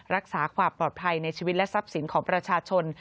รักษาความปลอดภัยในชีวิตและทรัพย์สินของประชาชน